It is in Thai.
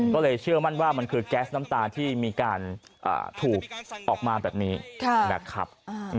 ก็เลยเชื่อมั่นว่ามันคือแก๊สน้ำตาที่มีการถูกออกมาแบบนี้นะครับ